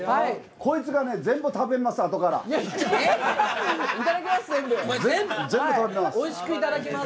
こいつが全部食べます。